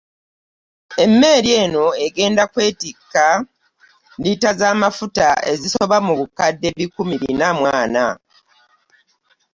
Emmeeri eno egenda kwetikka lita z'amafuta ezisoba mu bukadde ebikumi Bina mu ana.